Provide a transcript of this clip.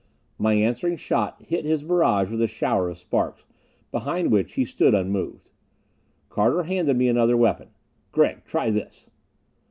My answering shot hit his barrage with a shower of sparks, behind which he stood unmoved. Carter handed me another weapon. "Gregg, try this."